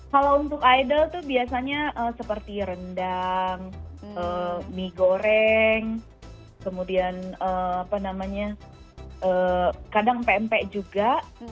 kalau untuk idol itu biasanya seperti rendang mie goreng kemudian kadang pempek juga